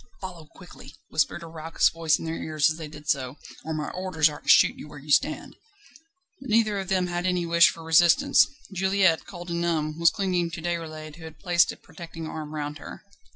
"Follow quietly!" whispered a raucous voice in their ears as they did so, "or my orders are to shoot you where you stand." But neither of them had any wish for resistance. Juliette, cold and numb, was clinging to Déroulède, who had placed a protecting arm round her.